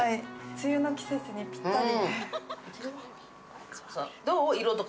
梅雨の季節にぴったり。